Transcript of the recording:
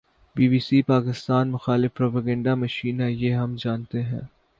Be B C, Pakistan مخالف propaganda machine ہے۔ یہ ہم جانتے ہیں